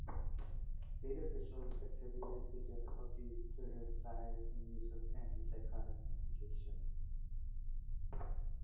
State officials attributed the difficulties to his size and use of antipsychotic medication.